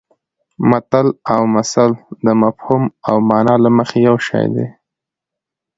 متل او مثل د مفهوم او مانا له مخې یو شی دي